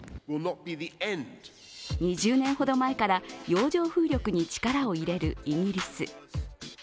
２０年ほど前から洋上風力に力を入れるイギリス。